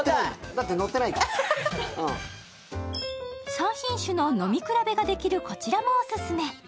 ３品種の飲み比べができるこちらもオススメ。